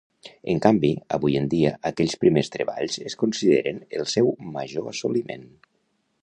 En canvi, avui en dia aquells primers treballs es consideren el seu major assoliment.